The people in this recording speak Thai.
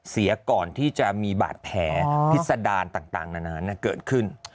เสียก่อนที่จะมีบาดแผลพิษดารต่างนานเกิดขึ้น